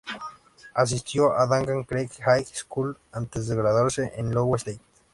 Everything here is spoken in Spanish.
Asistió a Langham Creek High School, antes de graduarse en Iowa State.